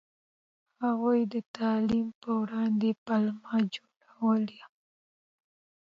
هغوی د تعلیم په وړاندې پلمه جوړوله.